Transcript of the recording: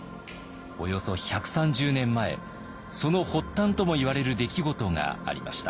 およそ１３０年前その発端ともいわれる出来事がありました。